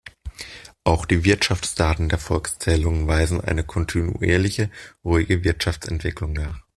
Auch die Wirtschaftsdaten der Volkszählungen weisen eine kontinuierliche, ruhige Wirtschaftsentwicklung nach.